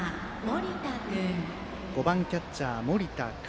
５番キャッチャーの森田櫂。